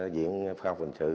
viện phòng hình sự